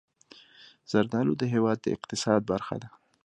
زردالو د هېواد د اقتصاد برخه ده.